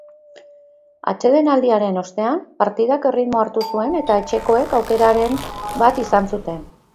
Atsedenaldiaren ostean, partidak erritmoa hartu zuen eta etxekoek aukeraren bat izan zuten.